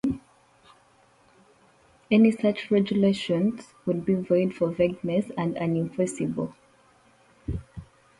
Any such regulation would be "void for vagueness" and unenforceable.